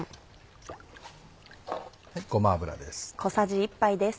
ごま油です。